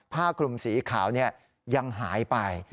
ผ้าคลุมสีขาวยังหายไป